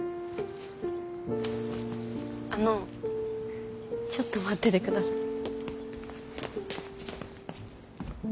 あのちょっと待ってて下さい。